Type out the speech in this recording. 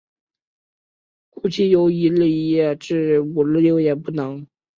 醮期由一日一夜至五日六夜不等。